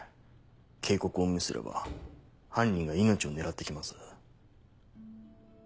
警告を無視すれば犯人が命を狙ってきます。